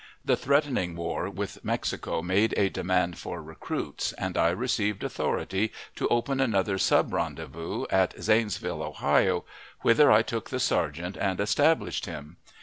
The threatening war with Mexico made a demand for recruits, and I received authority to open another sub rendezvous at Zanesville, Ohio, whither I took the sergeant and established him.